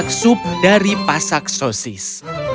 dan memasak sup dari pasak sosis